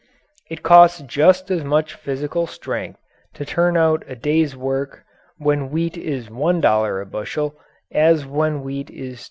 It costs just as much physical strength to turn out a day's work when wheat is $1 a bushel, as when wheat is $2.